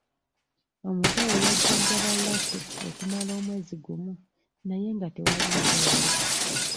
Omusawo yajjanjaba Lucky okumala omwezi gumu naye nga tewali njawulo.